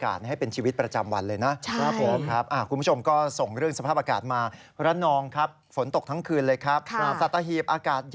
อ้าวพูดเรื่องอากาศ